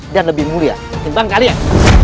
dan lebih mulia berbanding kalian